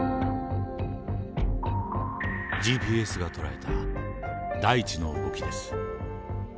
ＧＰＳが捉えた大地の動きです。